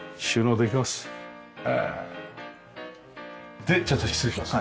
でちょっと失礼しますね。